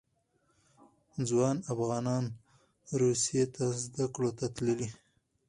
ځوان افغانان روسیې ته زده کړو ته تللي.